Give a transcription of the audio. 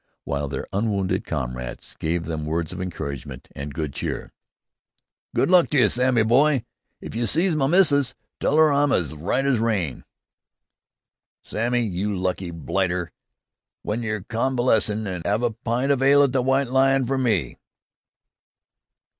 while their unwounded comrades gave them words of encouragement and good cheer. "Good luck to you, Sammy boy! If you sees my missus, tell 'er I'm as right as rain!" "Sammy, you lucky blighter! W'en yer convalescin', 'ave a pint of ale at the W'ite Lion fer me."